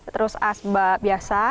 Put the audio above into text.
terus asbak biasa